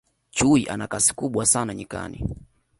chui ana Kasi kubwa sana nyikani